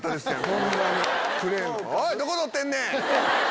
おいどこ撮ってんねん！